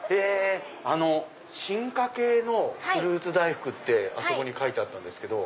あの進化系のフルーツ大福ってあそこに書いてあったんですけど。